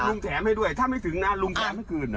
แถมให้ด้วยถ้าไม่ถึงนะลุงแถมให้คืนนะ